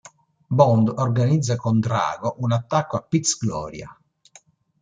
Bond organizza con Draco un attacco al Piz Gloria.